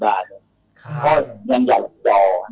เบือนละ๕๐๐บาทยังอยากประจอด